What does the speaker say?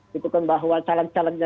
dikutukan bahwa calon calonnya